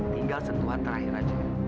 tinggal sentuhan terakhir aja